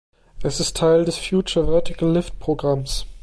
Es ist Teil des „Future Vertical Lift“ Programms.